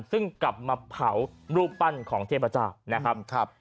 ซึ่งกลับมาเผารูปปั้นของเทพเจ้านะครับ